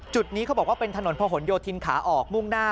นี้เขาบอกว่าเป็นถนนพะหนโยธินขาออกมุ่งหน้า